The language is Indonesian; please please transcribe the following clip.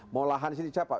mau lahan di sini siapa